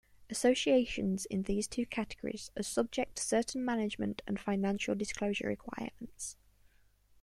Associations in these two categories are subject to certain management and financial disclosure requirements.